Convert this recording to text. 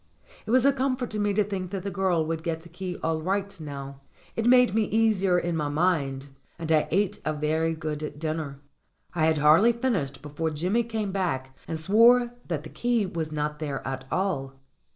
It was a comfort to me to think that the girl would get the key all right now ; it made me easier in my mind, and I ate a very good dinner. I had hardly finished before Jimmy came back and swore that the key was not there at all.